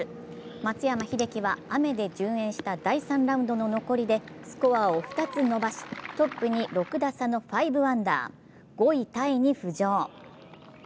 松山英樹は雨で順延した第３ラウンドの残りでスコアを２つ伸ばしトップに６打差の５アンダー、５位タイに浮上。